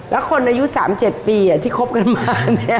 แล้วคนอายุ๓๗ปีที่คบกันมาเนี่ย